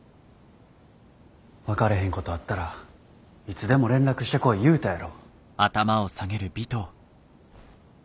分かれへんことあったらいつでも連絡してこい言うたやろ。